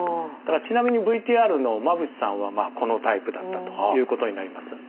ちなみにＶＴＲの間渕さんはこのタイプだったということになります。